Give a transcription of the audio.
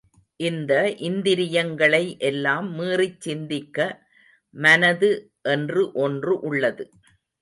இந்த இந்திரியங்களை எல்லாம் மீறிச் சிந்திக்க மனது என்று ஒன்று உள்ளது.